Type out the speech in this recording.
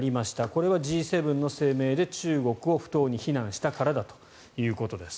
これはＧ７の声明で中国を不当に非難したからだということです。